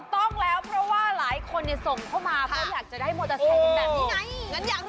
ก็คือเราแจกโชคมอเตอร์ไซค์ง่าย